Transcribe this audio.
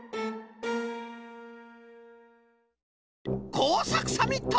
こうさくサミット！